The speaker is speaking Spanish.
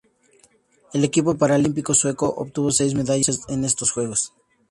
El equipo paralímpico sueco obtuvo seis medallas en estos Juegos.